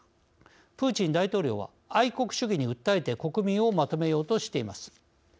プーチン大統領は愛国主義に訴えて国民をまとめようとしています。